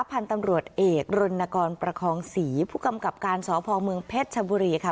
พันธุ์ตำรวจเอกรณกรประคองศรีผู้กำกับการสพเมืองเพชรชบุรีค่ะ